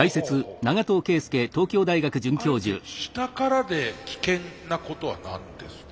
あえて下からで危険なことは何ですか？